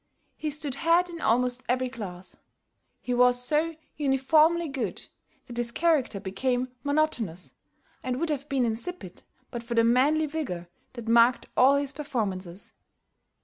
He stood head in almost every class. He was so uniformly good that his character became monotonous, and would have been insipid, but for the manly vigor that marked all his performances.